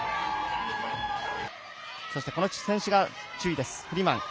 そしてこの選手が注意ですフリーマン。